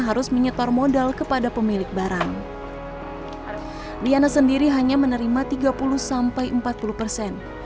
harus menyetor modal kepada pemilik barang liana sendiri hanya menerima tiga puluh sampai empat puluh persen